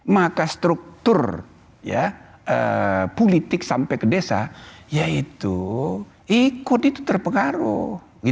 maka struktur politik sampai ke desa yaitu ikut itu terpengaruh